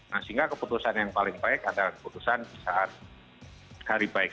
nah sehingga keputusan yang paling baik adalah keputusan di saat hari baik